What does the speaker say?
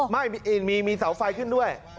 ไม่มีเสาไฟขึ้นด้วย